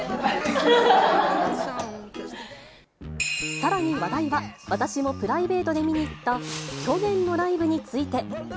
さらに話題は、私もプライベートで見に行った去年のライブについて。